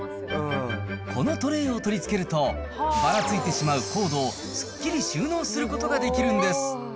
このトレーを取り付けると、ばらついてしまうコードを、すっきり収納することができるんです。